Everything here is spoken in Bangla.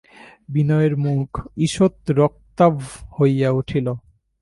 বিনয়ের মুখ ঈষৎ রক্তাভ হইয়া উঠিল।